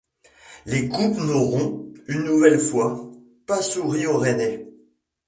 Les coupes n'auront - une nouvelle fois - pas sourit aux Rennais.